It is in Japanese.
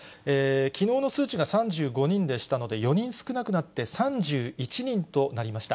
きのうの数値が３５人でしたので、４人少なくなって３１人となりました。